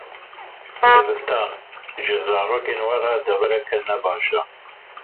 Dibistan, ji zarokên we re devereke ne baş e.